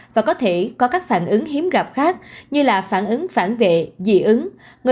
và có thể có các phản ứng hiếm gặp khác như là phản ứng phản vệ dị ứng